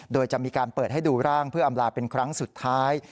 โดยจะมีการเปิดให้ดูร่างเพื่ออำลาเป็นครั้งสุดท้าย